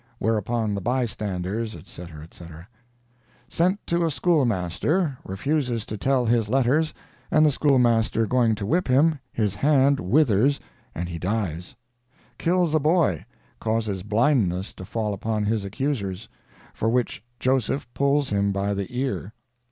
Whereupon the bystanders, etc., etc." "Sent to a schoolmaster, refuses to tell his letters and the schoolmaster going to whip him, his hand withers and he dies." "Kills a boy; causes blindness to fall upon his accusers, for which Joseph pulls him by the ear."